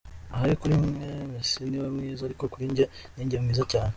Ahari kuri mwe Messi niwe mwiza, ariko kuri njye ninjye mwiza cyane.